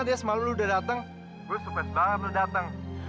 iya berarti dia datang dong